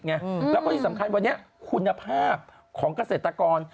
แล้วก็ที่สำคัญวันนี้คุณภาพของเกษตรกร